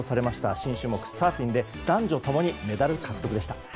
新種目サーフィンで男女ともにメダル獲得でした。